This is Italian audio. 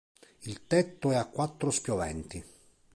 Il tetto è a quattro spioventi.